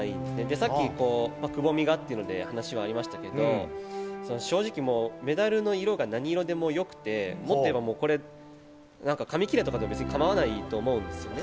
さっきくぼみの話もありましたけど、正直メダルの色が何色でも良くて、紙切れとかでも構わないと思うんですよね。